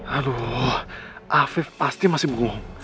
aduh afif pasti masih berguang